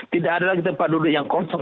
tidak ada lagi tempat duduk yang kosong